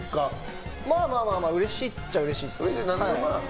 まあまあうれしいっちゃうれしいです。